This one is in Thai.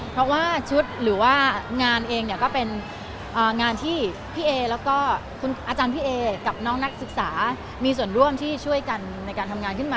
เพราะว่าชุดหรือว่างานเองเนี่ยก็เป็นงานที่พี่เอแล้วก็คุณอาจารย์พี่เอกับน้องนักศึกษามีส่วนร่วมที่ช่วยกันในการทำงานขึ้นมา